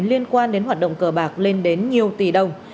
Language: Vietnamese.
liên quan đến hoạt động cờ bạc lên đến nhiều tỷ đồng